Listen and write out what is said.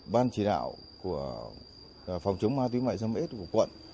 ban chỉ đạo của phòng chống ma túy mại dâm s của quận